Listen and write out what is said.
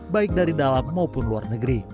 baik dari dalam maupun luar negeri